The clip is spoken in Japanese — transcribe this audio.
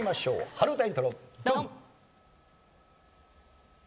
春うたイントロドン！